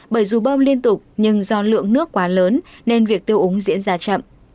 bởi dù bơm liên tục nhưng do lượng nước quá lớn nên việc tiêu úng diễn ra chậm